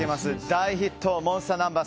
大ヒットモンスターナンバー